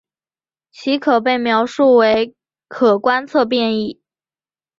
其可被描述为可观测变异。